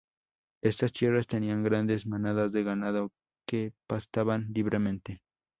Estas tierras tenían grandes manadas de ganado que pastaban libremente.